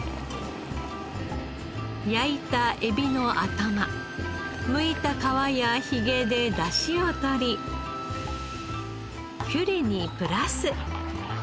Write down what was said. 焼いた海老の頭むいた皮やヒゲでだしをとりピュレにプラス。